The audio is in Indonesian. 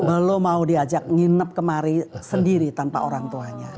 belum mau diajak nginep kemari sendiri tanpa orang tuanya